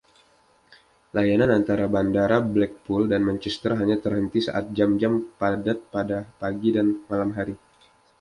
Layanan antara Bandara Blackpool dan Manchester hanya terhenti saat jam-jam padat pada pagi dan malam hari.